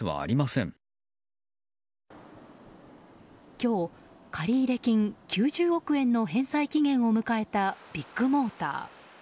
今日、借入金９０億円の返済期限を迎えたビッグモーター。